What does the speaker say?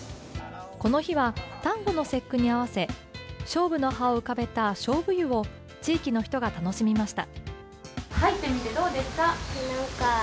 この日は端午の節句に合わせしょうぶの葉を浮かべたしょうぶ湯を地域の人が楽しみました。